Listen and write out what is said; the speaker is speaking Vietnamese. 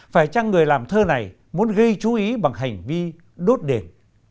phải chăng người làm thơ này muốn gây chú ý bằng hành vi đốt đền